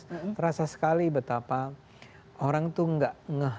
saya merasa sekali betapa orang itu gak ngeh